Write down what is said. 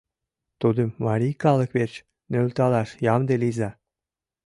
Тудым марий калык верч нӧлталаш ямде лийза.